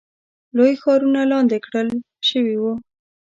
لوی ښارونه لاندې کړل شوي وو.